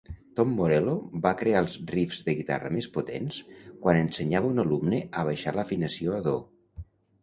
Tom Morello va crear els riffs de guitarra més potents quan ensenyava un alumne a baixar l'afinació a do.